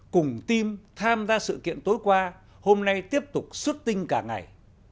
cùng tim tham gia sự kiện tối qua hôm nay tiếp tục xuất tinh cả ngày